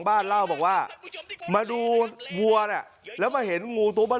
เรียนเรียนเรียนเรียนเรียน